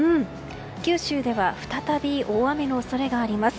九州では再び、大雨の恐れがあります。